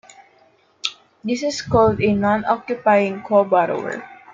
This is called a Non-Occupying Co-Borrower.